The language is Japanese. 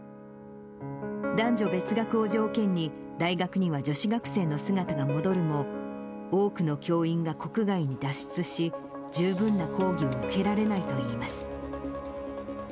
男女別学を条件に、大学には女子学生の姿が戻るも、多くの教員が国外に脱出し、十分な講義を受けられないといいます。